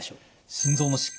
心臓の疾患